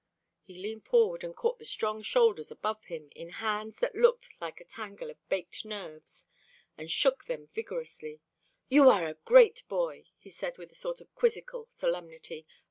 He leaned forward and caught the strong shoulders above him in hands that looked like a tangle of baked nerves, and shook them vigorously. "You are a great boy!" he said with a sort of quizzical solemnity.